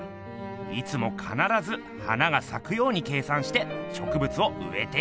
いつもかならず花がさくように計算してしょくぶつをうえているっす。